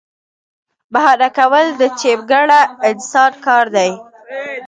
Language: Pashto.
بهانه کول د چمګیره انسان کار دی